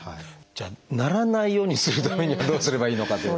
じゃあならないようにするためにはどうすればいいのかってことですが。